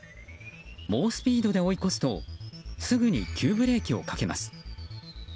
猛スピードで追い越すとすぐに急ブレーキをかけます。